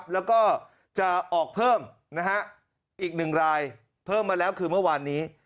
แล้วก็จะออกเพิ่มอีก๑รายเพิ่มมาแล้วคือเมื่อวานนี้